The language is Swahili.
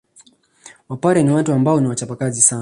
Wapare ni watu ambao ni wachapakazi sana